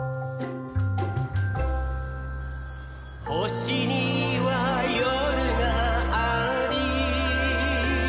星には夜があり